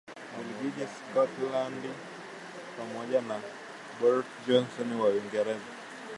Ubelgiji Scotland pamoja na Boris Johnson wa Uingereza